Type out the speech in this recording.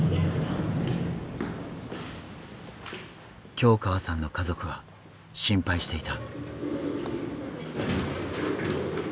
京河さんの家族は心配していた。